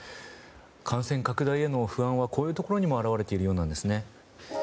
感染拡大への不安はこういうところにも表れているようです。